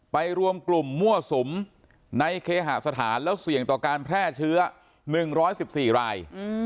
รวมกลุ่มมั่วสุมในเคหสถานแล้วเสี่ยงต่อการแพร่เชื้อ๑๑๔ราย